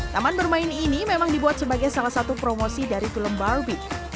taman bermain ini memang dibuat sebagai salah satu promosi dari film barbie